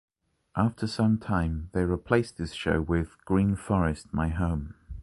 After some time they replaced this show with "Green Forest, My Home".